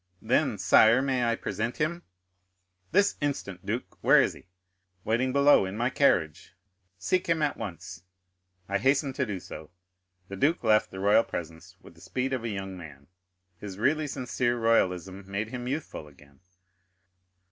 "Then, sire, may I present him?" "This instant, duke! Where is he?" "Waiting below, in my carriage." "Seek him at once." "I hasten to do so." The duke left the royal presence with the speed of a young man; his really sincere royalism made him youthful again.